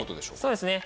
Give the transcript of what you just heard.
そうですね。